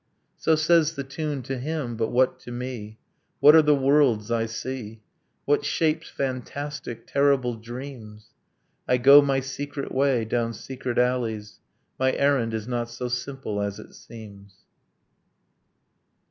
So says the tune to him but what to me? What are the worlds I see? What shapes fantastic, terrible dreams? ... I go my secret way, down secret alleys; My errand is not so simple as it seems.